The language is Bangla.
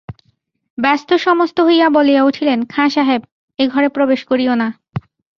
ব্যস্তসমস্ত হইয়া বলিয়া উঠিলেন, খাঁ সাহেব, এ ঘরে প্রবেশ করিয়ো না।